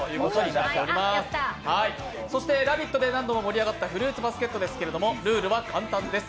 そして、「ラヴィット！」で何度も盛り上がったフルーツバスケットですが、ルールは簡単です。